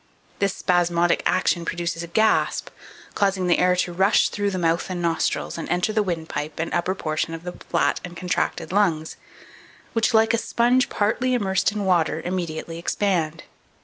This spasmodic action produces a gasp, causing the air to rush through the mouth and nostrils, and enter the windpipe and upper portion of the flat and contracted lungs, which, like a sponge partly immersed in water, immediately expand.